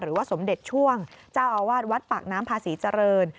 หรือว่าสมเด็จช่วงเจ้าอาวาสวัดปากน้ำพาศรีเจริญ